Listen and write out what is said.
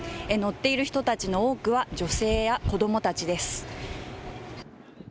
乗っている人たちの多くは女性や子どもたちです。